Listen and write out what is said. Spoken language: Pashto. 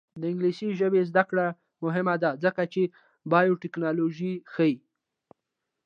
د انګلیسي ژبې زده کړه مهمه ده ځکه چې بایوټیکنالوژي ښيي.